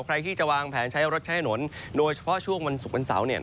ใครที่จะวางแผนใช้รถใช้ถนนโดยเฉพาะช่วงวันศุกร์วันเสาร์เนี่ย